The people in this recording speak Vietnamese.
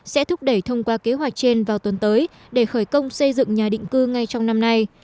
sẽ thúc đẩy thông qua kế hoạch trên vào tuần tới để khởi công xây dựng nhà định cư ngay trong năm nay